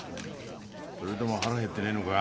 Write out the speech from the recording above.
それとも腹へってねえのか？